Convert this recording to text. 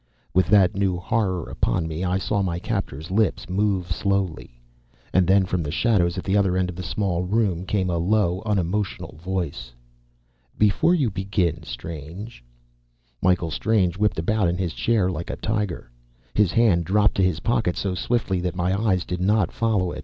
With that new horror upon me, I saw my captor's lips move slowly.... And then, from the shadows at the other end of the small room, came a low, unemotional voice. "Before you begin, Strange " Michael Strange whipped about in his chair like a tiger. His hand dropped to his pocket, so swiftly that my eyes did not follow it.